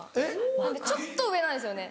なのでちょっと上なんですよね